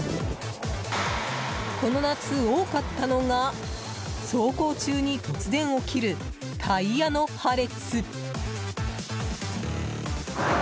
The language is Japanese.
この夏、多かったのが走行中に突然起きるタイヤの破裂。